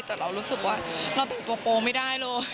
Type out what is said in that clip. แต่เรารู้สึกว่าเราแต่งตัวโปรไม่ได้เลย